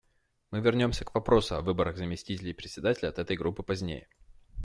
Мы вернемся к вопросу о выборах заместителей Председателя от этой Группы позднее.